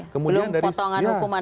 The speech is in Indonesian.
belum potongan hukuman